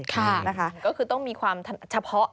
ก็คือต้องมีความเฉพาะด้าน